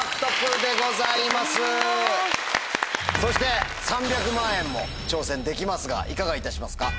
そして３００万円も挑戦できますがいかがいたしますか？